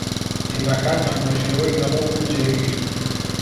تیمەکانمان بە شێوەی گەڕۆک و جێگیر